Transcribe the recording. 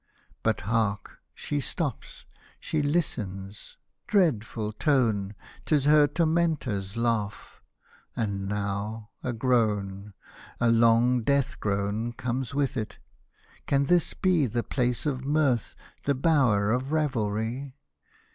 But hark — she stops — she listens — dreadful tone ! 'Tis her Tormentor's laugh — and now, a groan, A long death groan comes with it :— can this be The place of mirth, the bower of revelry